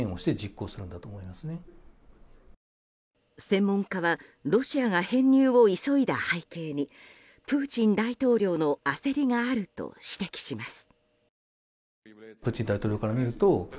専門家はロシアが編入を急いだ背景にプーチン大統領の焦りがあると指摘します。